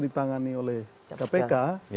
ditangani oleh kpk